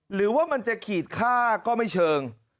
หรือว่ามันจะขีดค่าก็ไม่เชิง